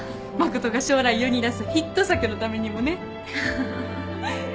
真琴が将来世に出すヒット作のためにもね